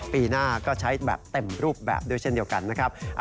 ปีหน้าก็ใช้แบบเต็มรูปแบบด้วยเช่นเดียวกันนะครับ